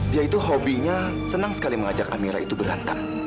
dia itu hobinya senang sekali mengajak amira itu berangkat